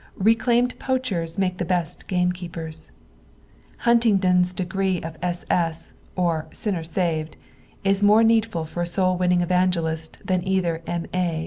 Reclaimed ponchers make the best gamekeepers, Huntingdon's degree of B.8., or Sinner Baved, is mote needful for a soul winning evangelist than either Sf.A.